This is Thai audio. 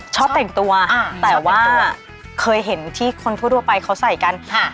ชอบแต่งตัวแต่ว่าเคยเห็นที่คนทั่วไปเขาใส่กัน